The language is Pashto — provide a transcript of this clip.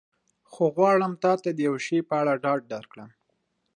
خو غواړم تا ته د یو شي په اړه ډاډ درکړم.